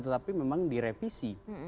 tetapi memang direvisi